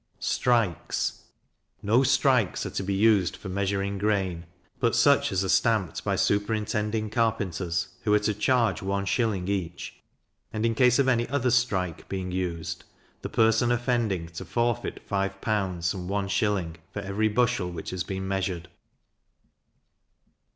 Strikes. No strikes are to be used for measuring grain, but such as are stamped by superintending carpenters, who are to charge one shilling each; and in case of any other strike being used, the person offending to forfeit five pounds, and one shilling for every bushel which has been measured.